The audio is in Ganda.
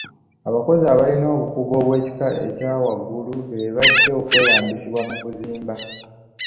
Abakozi abalina obukugu obw'ekika ekya waggulu be bajja okweyambisibwa mu kuzimba.